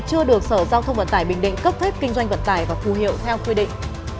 chưa được sở giao thông vận tải bình định cấp phép kinh doanh vận tải và phù hiệu theo quy định